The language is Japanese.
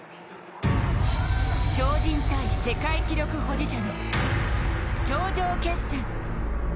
超人対世界記録保持者の頂上決戦。